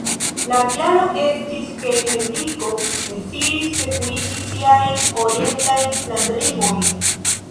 La kialo estis ke Henriko deziris sekurigi siajn orientajn landlimojn.